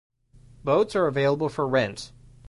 Boats are available for rent.